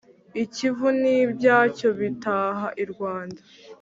Ikivu n’ibyacyo bitaha i Rwanda.